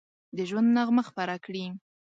د ژوند نغمه خپره کړي